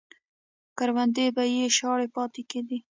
کروندې به یې شاړې پاتې کېدې.